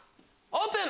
オープン。